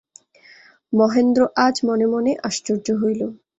মহেন্দ্র আজ মনে মনে আশ্চর্য হইল।